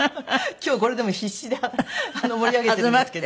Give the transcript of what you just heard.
今日これでも必死で盛り上げてるんですけど。